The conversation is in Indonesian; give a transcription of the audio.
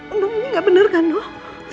ini enggak bener noh